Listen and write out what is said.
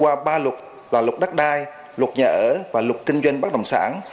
qua ba luật là luật đất đai luật nhà ở và luật kinh doanh bất đồng sản